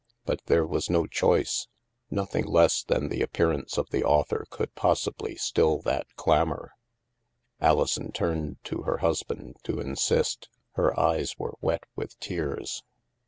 But there was no choice; nothing less than the appearance of the " author " could possibly still that clamor. Alison turned to her husband to insist. Her eyes were wet with tears.